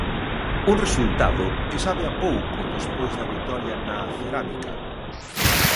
Un resultado que sabe a pouco despois da vitoria na Cerámica.